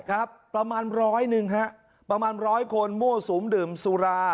ครับประมาณร้อยหนึ่งฮะประมาณร้อยคนมั่วสุมดื่มสุรา